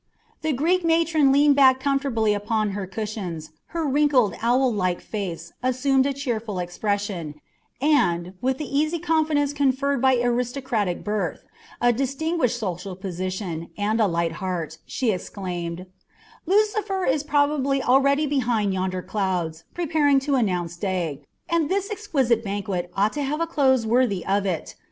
The Greek matron leaned back comfortably upon her cushions, her wrinkled, owl like face assumed a cheerful expression, and, with the easy confidence conferred by aristocratic birth, a distinguished social position, and a light heart, she exclaimed: "Lucifer is probably already behind yonder clouds, preparing to announce day, and this exquisite banquet ought to have a close worthy of it.